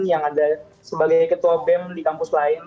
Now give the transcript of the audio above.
yang ada sebagai ketua bem di kampus lain